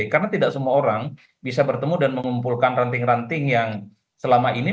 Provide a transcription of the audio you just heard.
karena tidak semua orang bisa bertemu dan mengumpulkan ranting ranting yang selama ini